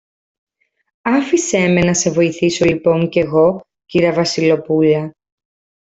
Άφησε με να σε βοηθήσω λοιπόν κι εγώ, κυρα-Βασιλοπούλα.